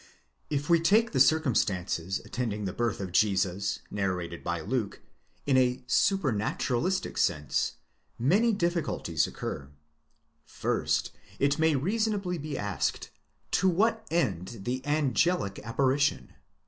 If we take the circumstances attending the birth of Jesus, narrated by Luke, in a supranaturalistic sense, many difficulties occur. First, it may reasonably be asked, to what end the angelic apparition?